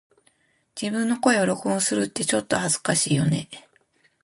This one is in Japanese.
自分の声を録音するってちょっと恥ずかしいよね🫣